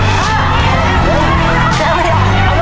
อะไรกันสินะ